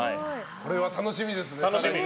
これは楽しみですね。